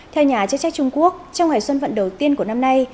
theo nhà chức trách trung quốc trong ngày xuân vận đầu tiên của năm nay